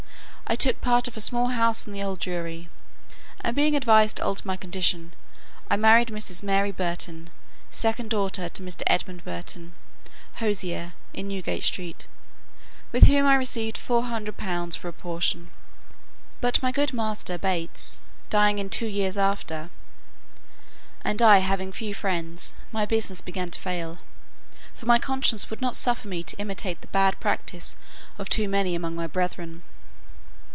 I took part of a small house in the Old Jewry; and being advised to alter my condition, I married Mrs. Mary Burton, second daughter to Mr. Edmund Burton, hosier, in Newgate street, with whom I received four hundred pounds for a portion. But my good master Bates dying in two years after, and I having few friends, my business began to fail; for my conscience would not suffer me to imitate the bad practice of too many among my brethren.